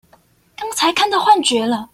剛才看見幻覺了！